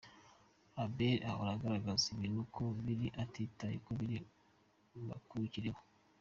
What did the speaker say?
Abel ahora agaragaza ikintu uko kiri atitaye ku biri bukurikireho.